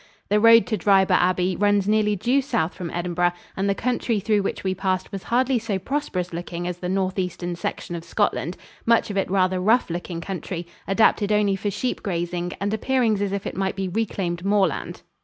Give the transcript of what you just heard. The road to Dryburgh Abbey runs nearly due south from Edinburgh, and the country through which we passed was hardly so prosperous looking as the northeastern section of Scotland much of it rather rough looking country, adapted only for sheep grazing and appearing as if it might be reclaimed moorland.